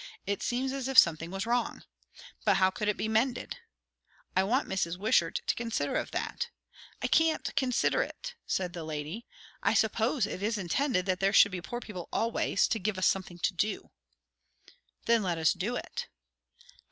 "It seems as if something was wrong. But how could it be mended?" "I want Mrs. Wishart to consider of that." "I can't consider it!" said the lady. "I suppose it is intended that there should be poor people always, to give us something to do." "Then let us do it."